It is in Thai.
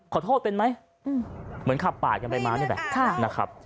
ขอโทษเป็นไหมเหมือนขับปาดกันไปมานี่แหละนะครับ